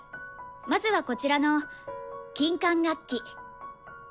まずはこちらの金管楽器。